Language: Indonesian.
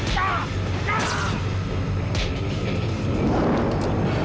kelompok peres nih